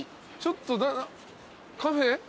ちょっとカフェ？